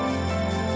ya makasih ya